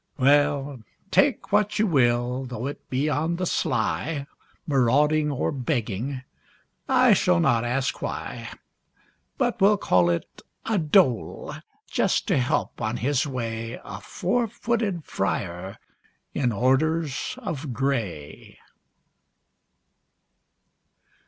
Well, take what you will, though it be on the sly, Marauding or begging, I shall not ask why, But will call it a dole, just to help on his way A four footed friar in orders of gray!